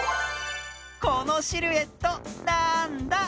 このシルエットなんだ？